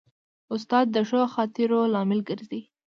استاد د ښو خاطرو لامل ګرځي.